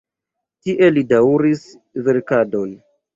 Tie li daŭris verkadon.